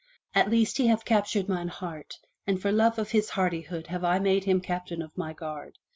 At least he hath captured mine heart, and for love of his hardihood have I made him Captain of my guard.